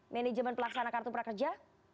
manajemen pelaksana kartu prakerja